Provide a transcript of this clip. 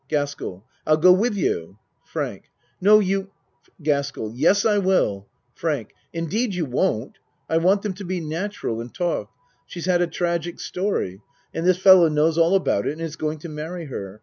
GASKELL I'll go with you. FRANK No, you GASKELL Yes, I will. FRANK Indeed you won't. I want them to be natural and talk. She's had a tragic story and this fellow knows all about it and is going to marry her.